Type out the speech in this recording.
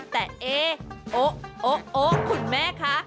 แต่เอ๊โอ๊โอ๊โอ๊คุณแม่คะ